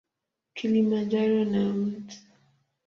Kilimanjaro na Mt.